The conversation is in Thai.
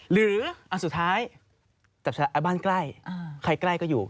หรืออันสุดท้ายจับบ้านใกล้ใครใกล้ก็อยู่